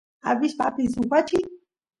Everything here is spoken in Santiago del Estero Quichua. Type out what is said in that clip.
abispa apin suk wachi